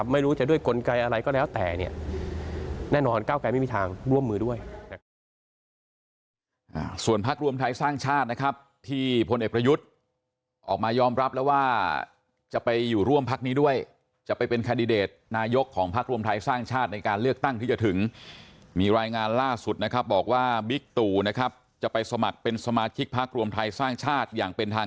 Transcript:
ไม่รู้จะด้วยกลไกอะไรก็แล้วแต่แน่นอนก้าวกายไม่มีทางร่วมมือด้วย